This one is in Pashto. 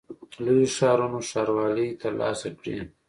لویو ښارونو ښاروالۍ ترلاسه کړې.